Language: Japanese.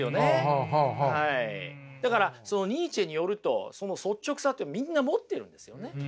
だからニーチェによるとその率直さってみんな持ってるんですよね。